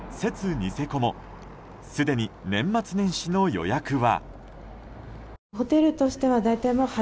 ニセコもすでに年末年始の予約は。